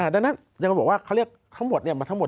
ดังนั้นอย่างคุณบอกว่าเขาเรียกทั้งหมด